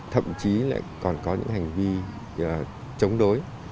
thậm chí lại còn có những hành vi chống đối